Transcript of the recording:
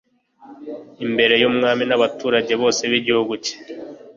imbere y'umwami n'abaturage bose b'igihugu cye